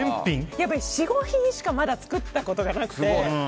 やっぱり４５品しかまだ作ったことがなくて。